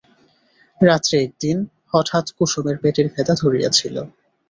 রাত্রে একদিন হঠাৎ কুসুমের পেটের ব্যথা ধরিয়াছিল।